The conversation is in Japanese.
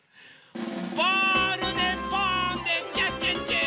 ボールでポーンでキャッチッチ！